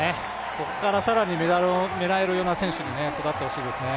ここから更にメダルを狙えるような選手に育ってほしいですね。